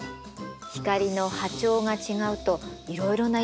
光の波長が違うといろいろな色に見えるの。